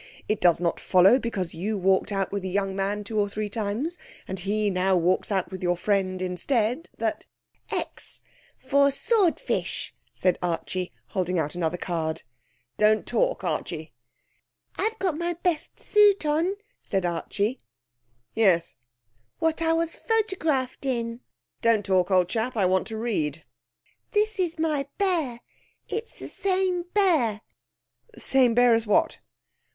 It does not follow because you walked out with a young man two or three times, and he now walks out with your friend instead, that ...' 'X for swordfish,' said Archie, holding out another card. 'Don't talk, Archie.' 'I've got my best suit on,' said Archie. 'Yes.' 'What I was photographed in.' 'Don't talk, old chap. I want to read.' 'This is my bear. It's the same bear.' 'The same bear as what?'